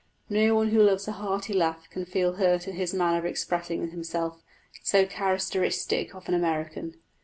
No one who loves a hearty laugh can feel hurt at his manner of expressing himself, so characteristic of an American.